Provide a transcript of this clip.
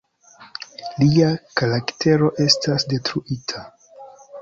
Lia karaktero estas detruita.